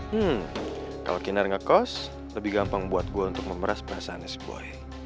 hmm kalau kinar ngekos lebih gampang buat gue untuk memeras perasaan es buah